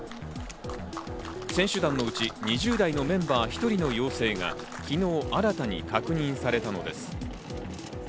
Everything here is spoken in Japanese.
選手団のうち、２０代のメンバー１人の陽性が昨日新たに確認されたのです。